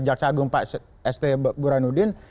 jaksa agung pak st burhanuddin